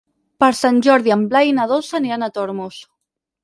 Per Sant Jordi en Blai i na Dolça aniran a Tormos.